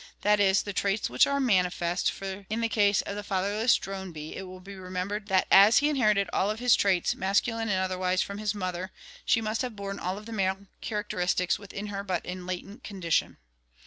That is, the traits which are mani fest, for in the case of the fatherless drone bee it will be remembered that as he inherited all of his traits, masculine and otherwise, from his mother, she must have borne all of the male characteristics within her but in latent condition.